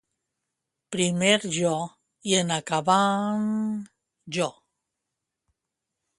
Primer jo, i en acabant... jo.